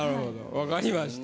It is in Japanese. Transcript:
わかりました。